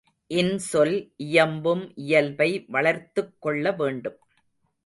இன்சொல் இயம்பும் இயல்பை வளர்த்துக் கொள்ள வேண்டும்.